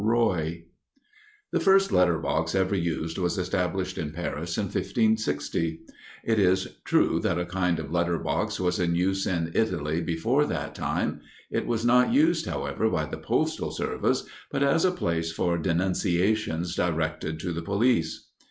ROY The first letter box ever used was established in Paris in 1560. It is true that a kind of letter box was in use in Italy before that time; it was not used, however, by the postal service, but as a place for denunciations directed to the police.